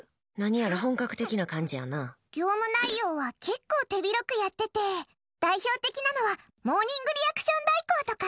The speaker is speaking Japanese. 業務内容は結構手広くやってて代表的なのはモーニングリアクション代行とか。